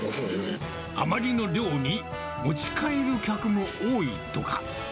あまりの量に持ち帰る客も多いとか。